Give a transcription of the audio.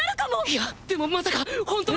イヤでもまさかホントに！！